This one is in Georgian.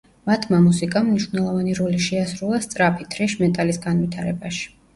მათმა მუსიკამ მნიშვნელოვანი როლი შეასრულა სწრაფი, თრეშ მეტალის განვითარებაში.